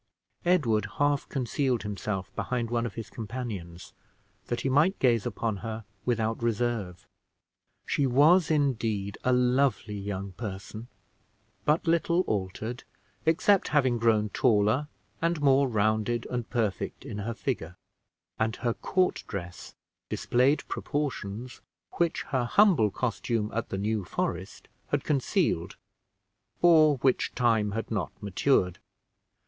Edward half concealed himself behind one of his companions that he might gaze upon her without reserve. She was indeed a lovely young person, but little altered, except having grown taller and more rounded and perfect in her figure; and her court dress displayed proportions which her humble costume at the New Forest had concealed, or which time had not matured.